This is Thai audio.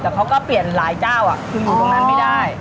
แต่เขาก็เปลี่ยนหลายเจ้าคืออยู่ตรงนั้นไม่ได้